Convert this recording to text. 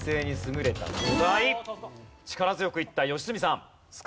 力強くいった良純さん。